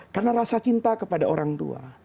karena rasa cinta kepada orang tua